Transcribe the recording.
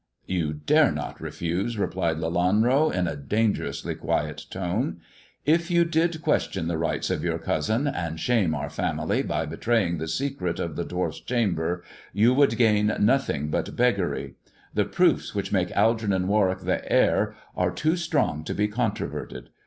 " You dare not refuse," replied Lelanro, in a dangerously quiet tone ;" if you did question the rights of your cousin, and shame our family by betraying the secret of the dwarf's 158 THE dwarf's chamber chamber, you would gain nothing but beggary. The proofs which make Algernon Warwick the heir are too strong to be controverted.